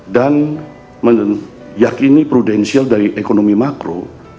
dan meyakini prudensial dari ekonomi makro